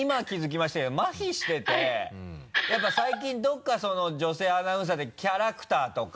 やっぱ最近どこかその女性アナウンサーってキャラクターとか。